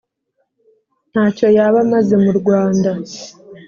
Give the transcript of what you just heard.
Ntacyo yaba amaze mu Rwanda